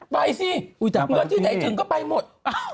ไปสิเงินที่ใดถึงก็ไปหมด